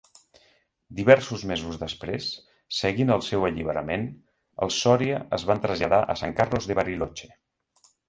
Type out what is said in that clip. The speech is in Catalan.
Diversos mesos després, seguint el seu alliberament, els Soria es van traslladar a San Carlos de Bariloche.